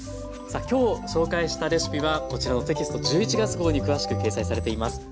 さあ今日紹介したレシピはこちらのテキスト１１月号に詳しく掲載されています。